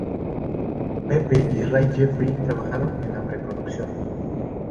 Pepe y Ray Jeffrey trabajaron en la preproducción.